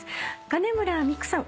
金村美玖さん